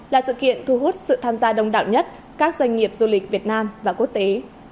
là sự kiện thu hút sự tham gia đông đảo nhất các doanh nghiệp du lịch việt nam và quốc tế